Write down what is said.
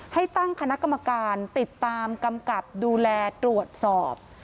ให้ตั้งคณะกรรมการติดตามกำกับดูแลตรวจสอบ